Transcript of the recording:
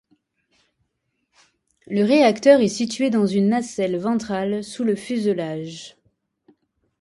Le réacteur est situé dans une nacelle ventrale sous le fuselage.